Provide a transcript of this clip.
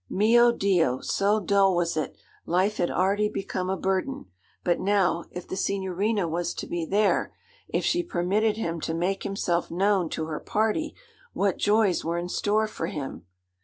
Mio Dio! so dull was it, life had already become a burden; but now, if the Signorina was to be there, if she permitted him to make himself known to her party, what joys were in store for him.